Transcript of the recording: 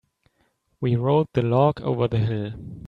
We rolled the log over the hill.